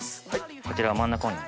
こちらを真ん中に。